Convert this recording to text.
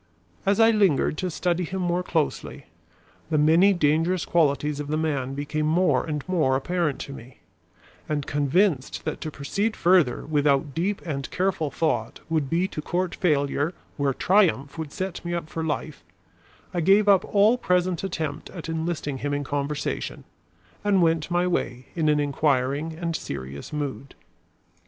As I lingered to study him more closely, the many dangerous qualities of the man became more and more apparent to me; and convinced that to proceed further without deep and careful thought, would be to court failure where triumph would set me up for life, I gave up all present attempt at enlisting him in conversation, and went my way in an inquiring and serious mood.